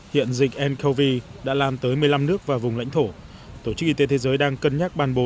hiện dịch ncov đã lan tới một mươi năm nước và vùng lãnh thổ tổ chức y tế thế giới đang cân nhắc ban bố